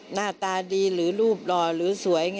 หน้าตาดีหรือรูปหล่อหรือสวย